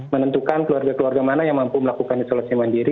menentukan keluarga keluarga mana yang mampu melakukan isolasi mandiri